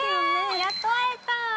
◆やっと会えたー。